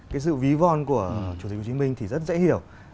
cái sự ví von của chủ tịch hồ chí minh thì rất dễ hiểu